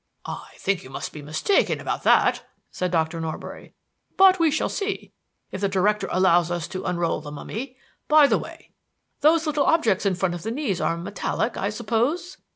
"I think you must be mistaken about that," said Dr. Norbury, "but we shall see, if the Director allows us to unroll the mummy. By the way, those little objects in front of the knees are metallic, I suppose?"